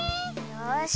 よし。